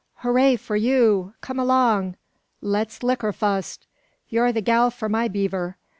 "Hooraw for you! Come along! Let's licker fust! You're the gal for my beaver.